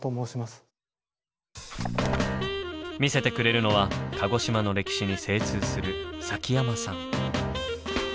見せてくれるのは鹿児島の歴史に精通する崎山さん。